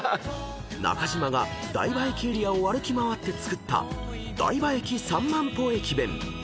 ［中島が大場駅エリアを歩き回って作った大場駅三万歩駅弁］